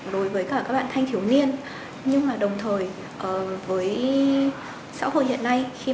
đối với các nhà xuất bản kim đồng sách không chỉ đơn thuần là một loại hình giải trí mà phải có tính định hướng